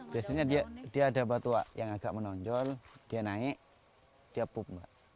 biasanya dia ada batu yang agak menonjol dia naik dia pup